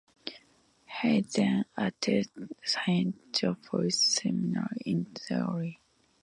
Hayes then attended Saint Joseph's Seminary in Troy.